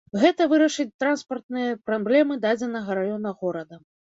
Гэта вырашыць транспартныя праблемы дадзенага раёна горада.